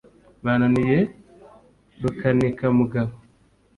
bananiye rukanikamugabo;